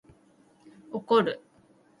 怒る